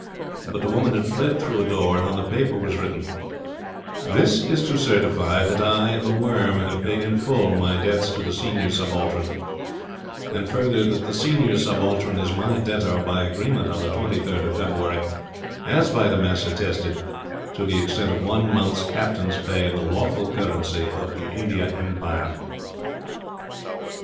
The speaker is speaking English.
But the woman had fled through a door, and on the paper was written: "This is to certify that I, The Worm, have paid in full my debts to the Senior Subaltern, and, further, that the Senior Subaltern is my debtor, by agreement on the 23d of February, as by the Mess attested, to the extent of one month's Captain's pay, in the lawful currency of the India Empire."